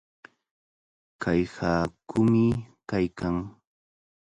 Kay haakumi kaykan.